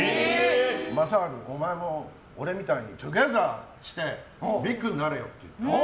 雅治、お前も俺みたいにトゥギャザーしてビッグになれよって言って。